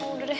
oh udah deh